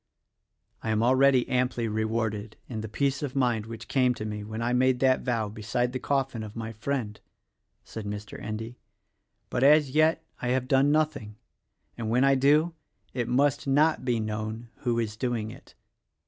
"I am already amply rewarded, in the peace of mind which came to me when I made that vow beside the coffin of my friend," said Mr. Endy; "but as yet I have done nothing, and when I do, it must not be known who is doing it.